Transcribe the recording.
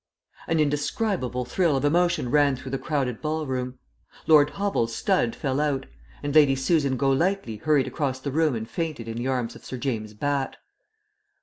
An indescribable thrill of emotion ran through the crowded ball room. Lord Hobble's stud fell out; and Lady Susan Golightly hurried across the room and fainted in the arms of Sir James Batt.